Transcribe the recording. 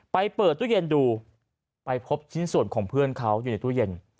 ไปเปิดตู้เย็นดูไปพบชิ้นส่วนของเพื่อนเขาอยู่ในตู้เย็น